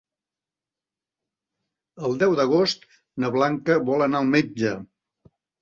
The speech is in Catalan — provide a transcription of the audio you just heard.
El deu d'agost na Blanca vol anar al metge.